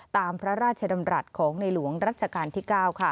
ตามพระราชดำรัฐของในหลวงรัชกาลที่๙ค่ะ